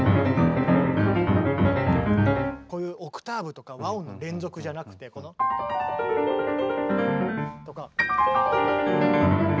こういうオクターブとか和音の連続じゃなくてこの。とか。